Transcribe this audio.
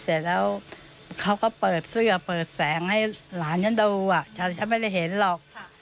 เสร็จแล้วเขาก็เปิดเสื้อเปิดแสงให้หลานฉันดูฉันฉันไม่ได้เห็นหรอก